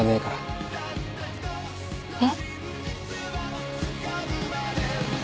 えっ？